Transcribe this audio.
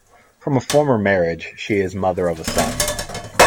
From a former marriage she is mother of a son.